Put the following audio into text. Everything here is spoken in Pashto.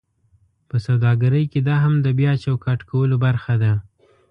په سوداګرۍ کې دا هم د بیا چوکاټ کولو برخه ده: